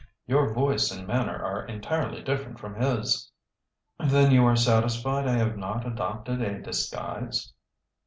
Your voice and manner are entirely different from his." "Then you are satisfied I have not adopted a disguise?"